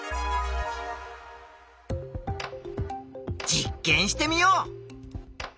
実験してみよう。